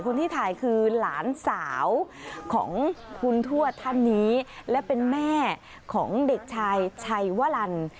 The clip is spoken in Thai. คนที่ถ่ายคือหลานสาวของคุณทวดท่านนี้และเป็นแม่ของเด็กชายชัยวลัน